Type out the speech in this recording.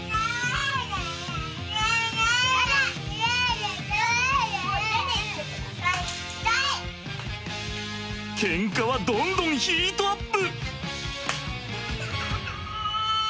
でもケンカはどんどんヒートアップ！